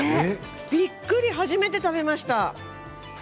ゆっくり初めて食べました。